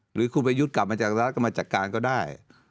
หรือคุณไปยุดกลับมาจะกระเบี๊ยงละรักมาจการก็ได้